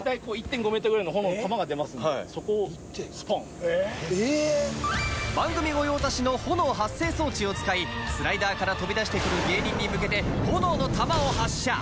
出た番組御用達の炎発生装置を使いスライダーから飛び出してくる芸人に向けて炎の玉を発射